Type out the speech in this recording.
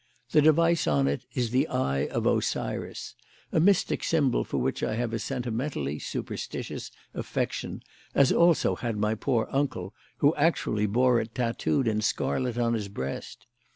The device on it is the Eye of Osiris, a mystic symbol for which I have a sentimentally superstitious affection, as also had my poor uncle, who actually bore it tattooed in scarlet on his breast.